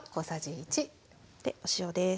でお塩です。